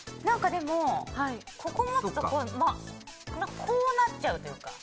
でも、ここを持つとこうなっちゃうというか。